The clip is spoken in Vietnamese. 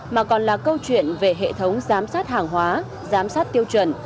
mà còn là câu chuyện về hệ thống giám sát hàng hóa giám sát tiêu chuẩn